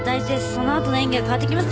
そのあとの演技が変わってきます」